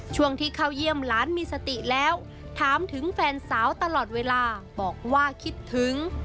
ช่วงที่เข้าเยี่ยมหลานมีสติแล้วถามถึงแฟนสาวตลอดเวลาบอกว่าคิดถึง